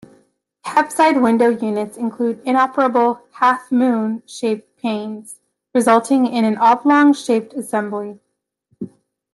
Cab side window units include inoperable "half moon"-shaped panes, resulting in an oblong-shaped assembly.